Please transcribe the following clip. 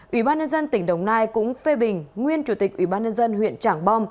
ủy ban nhân dân tỉnh đồng nai cũng phê bình nguyên chủ tịch ủy ban nhân dân huyện trảng bom